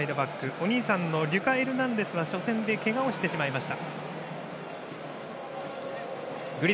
お兄さんのリュカ・エルナンデスは初戦でけがをしてしまいました。